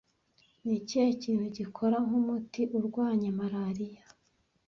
Ni ikihe kintu gikora nk'umuti urwanya malaria